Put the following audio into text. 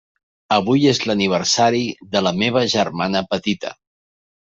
Avui és l'aniversari de la meva germana petita.